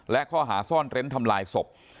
และข้อหาซ่อนเร้นทำลายศพ